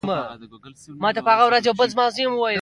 زموږ چرګه خپلې سینې ته ټک ورکوي.